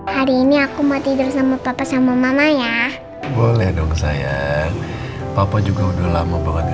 hari ini aku mau tidur sama papa sama mama ya boleh dong saya papa juga udah lama banget